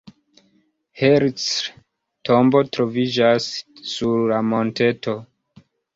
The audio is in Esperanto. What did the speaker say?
Herzl tombo troviĝas sur la monteto.